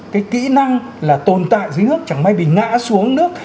cái kỹ năng là tồn tại dưới nước chẳng may bị ngã xuống nước